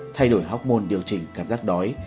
thay đổi học môn điều chỉnh cảm giác đói